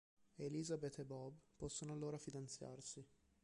Elizabeth e Bob possono allora fidanzarsi.